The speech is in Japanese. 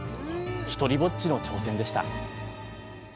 独りぼっちの挑戦でした。